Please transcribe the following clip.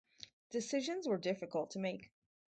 Decisions were difficult to make.